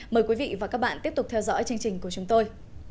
mời quý vị và các bạn tiếp tục theo dõi chương trình của chúng tôi